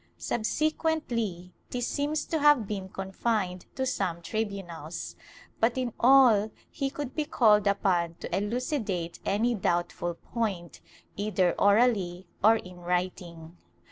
Subsequently this seems to have been confined to some tribunals, but in all he could be called upon to elucidate any doubtful point, either orally or in writing.